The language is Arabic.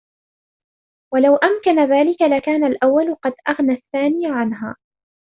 وَلَوْ أَمْكَنَ ذَلِكَ لَكَانَ الْأَوَّلُ قَدْ أَغْنَى الثَّانِيَ عَنْهَا